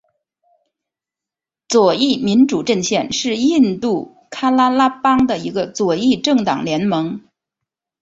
左翼民主阵线是印度喀拉拉邦的一个左翼政党联盟。